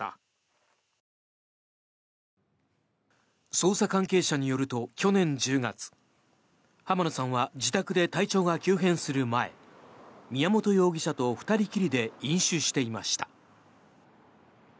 捜査関係者によると去年１０月浜野さんは自宅で体調が急変する前宮本容疑者と２人きりで飲酒していました。